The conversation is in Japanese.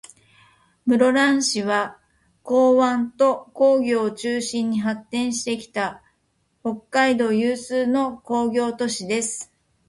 室蘭市は、港湾と工業を中心に発展してきた、北海道有数の工業都市です。